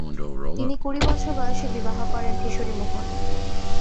তিনি কুড়ি বছর বয়সে বিবাহ করেন কিশোরীমোহন।